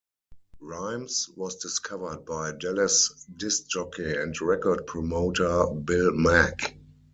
Rimes was discovered by Dallas disc jockey and record promoter Bill Mack.